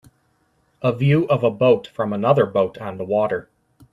A view of a boat from another boat on the water.